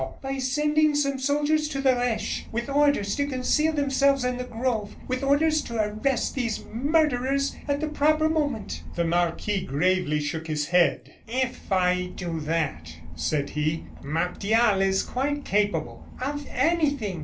"By sending some soldiers to the Reche, with orders to conceal themselves in the grove with orders to arrest these murderers at the proper moment." The marquis gravely shook his head. "If I do that," said he, "Martial is quite capable " "Of anything!